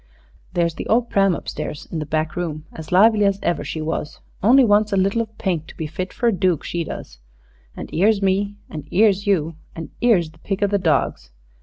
There's the ole pram up stairs in the back room as lively as ever she was only wants a little of paint to be fit for a dook, she does. An' 'ere's me, an' 'ere's you, an' 'ere's the pick of the dogs.